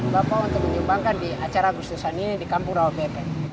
bapak untuk menyumbangkan di acara agustusani di kampung rawa bebek